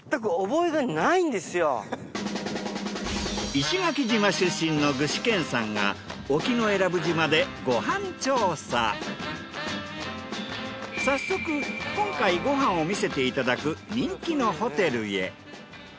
石垣島出身の具志堅さんが早速今回ご飯を見せていただく人気のホテルへ。